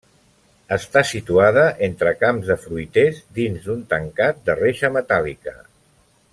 Està situada entre camps de fruiters dins d’un tancat de reixa metàl·lica.